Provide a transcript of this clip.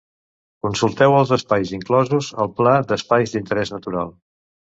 Consulteu els espais inclosos al Pla d'espais d'Interès Natural.